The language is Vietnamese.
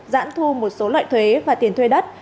giãn thu một số loại thuế và tiền thuê đất